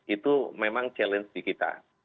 itu memang challenge di kita